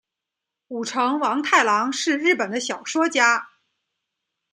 舞城王太郎是日本的小说家。